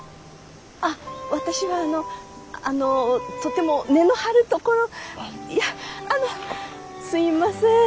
あっ私はあのあのとても値の張るところいやあのすいません。